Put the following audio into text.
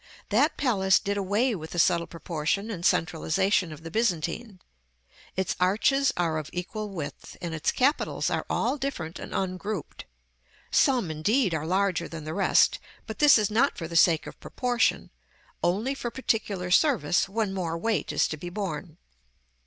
That palace did away with the subtle proportion and centralization of the Byzantine. Its arches are of equal width, and its capitals are all different and ungrouped; some, indeed, are larger than the rest, but this is not for the sake of proportion, only for particular service when more weight is to be borne.